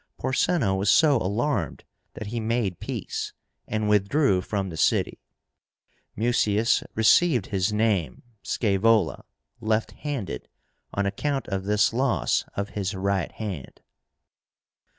Porsena was so alarmed, that he made peace, and withdrew from the city. Mucius received his name Scaevola (left handed) on account of this loss of his right hand.